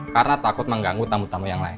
karena takut mengganggu tamu tamu yang lain